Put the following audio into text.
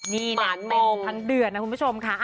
นี่เนี่ย๑๐๐๐เดือนนะคุณผู้ชมค่ะ